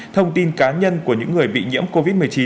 thông tin cá nhân của những người bị nhiễm covid một mươi chín